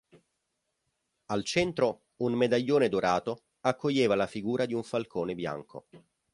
Al centro, un medaglione dorato, accoglieva la figura di un falcone bianco.